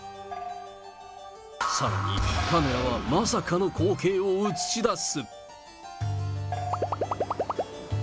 さらに、カメラはまさかの光景を映し出す。